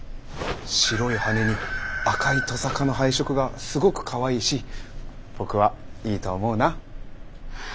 白い羽に赤いトサカの配色がすごくかわいいし僕はいいと思うな。